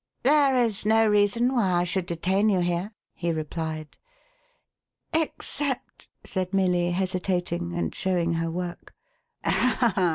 "There is no reason why I should detain you here," he replied. "Except —" said Milly, hesitating, and showing her work. " Oh !